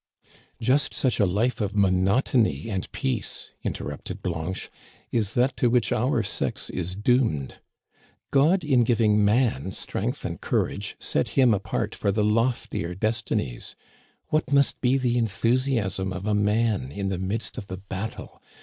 "Just such a life of monotony and peace," inter rupted Blanche, " is that to which our sex is doomed. God in giving man strength and courage set him apart for the loftier destinies. What must be the enthusiasm of a man in the midst of the battle